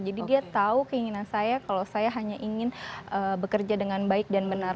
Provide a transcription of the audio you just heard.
jadi dia tahu keinginan saya kalau saya hanya ingin bekerja dengan baik dan benar